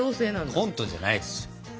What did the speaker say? コントじゃないです。